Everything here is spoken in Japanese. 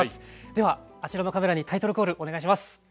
ではあちらのカメラにタイトルコールお願いします。